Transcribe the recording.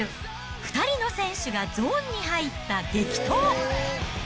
２人の選手がゾーンに入った激闘！